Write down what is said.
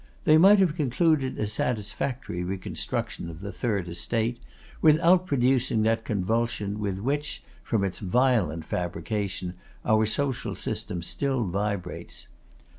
They might have concluded a satisfactory reconstruction of the third estate, without producing that convulsion with which, from its violent fabrication, our social system still vibrates.